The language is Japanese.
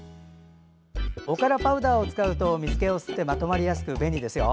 おからパウダーを使うと水けを吸ってまとめやすくて便利ですよ。